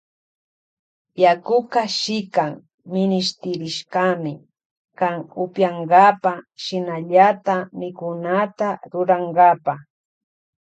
Yakuka shikan minishtirishkami kan upiyankapa shinallata mikunata rurankapa.